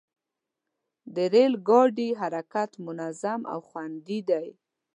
د ریل ګاډي حرکت منظم او خوندي دی.